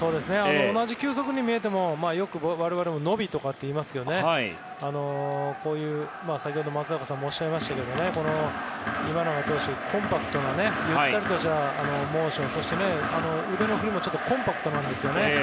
同じ球速に見えてもよく、我々も伸びとか言いますが先ほど松坂さんもおっしゃいましたけど今永投手、コンパクトでゆったりとしたモーションでそして、腕の振りもちょっとコンパクトなんですね。